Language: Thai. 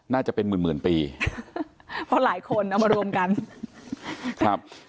น่าจะเป็นหมื่นหมื่นปีเพราะหลายคนเอามารวมกันครับ